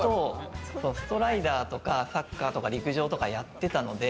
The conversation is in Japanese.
ストライダーとか、サッカーとか、陸上とかやってたので。